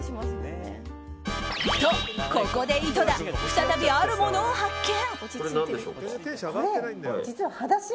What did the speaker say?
と、ここで井戸田再びあるものを発見。